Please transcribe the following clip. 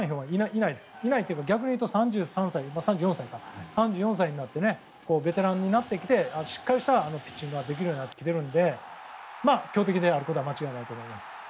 いないというか逆にいうと３４歳になってベテランになってきてしっかりしたピッチングができるようになっているのでまあ強敵であることは間違いないと思います。